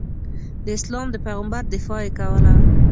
د اسلام د پیغمبر دفاع یې کوله.